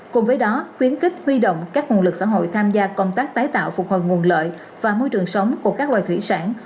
cùng với đó khuyến khích huy động các nguồn lực xã hội tham gia công tác tái tạo phục hồi nguồn lợi và môi trường sống của các loài thủy sản